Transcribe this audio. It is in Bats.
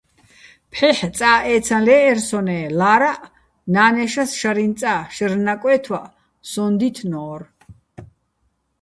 ფჰ̦ეჰ̦ წა ე́ცაჼ ლე́ჸერ სონე́, ლა́რაჸ ნა́ნეშას შარიჼ წა შერ ნაკვე́თვაჸ სოჼ დითნო́რ.